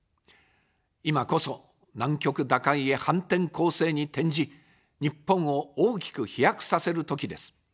今こそ、難局打開へ反転攻勢に転じ、日本を大きく飛躍させる時です。